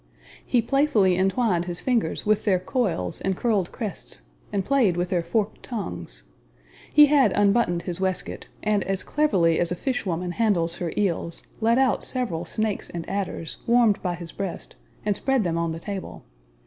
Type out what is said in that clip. He playfully entwined his fingers with their coils and curled crests, and played with their forked tongues. He had unbuttoned his waistcoat, and as cleverly as a fish woman handles her eels, let out several snakes and adders, warmed by his breast, and spread them on the table.